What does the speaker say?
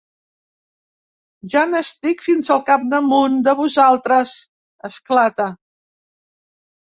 Ja n'estic fins al capdamunt, de vosaltres! —esclata.